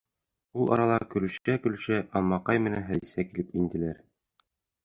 Ул арала көлөшә-көлөшә Алмаҡай менән Хәҙисә килеп инделәр.